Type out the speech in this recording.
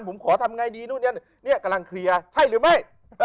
ผมขอทำไงดีนู่นนี่กำลังเคลียร์ใช่หรือไม่